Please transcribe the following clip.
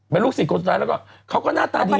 เป็นลูกศิษย์คนสุดท้ายแล้วก็เขาก็หน้าตาดี